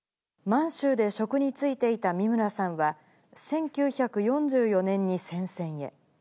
満州で職に就いていた三村さんは、１９４４年に戦線へ。